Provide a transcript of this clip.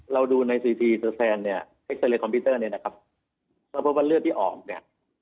เราดูในสถานเนี้ยเนี้ยเนี้ยนะครับเพราะว่าเลือดที่ออกเนี้ย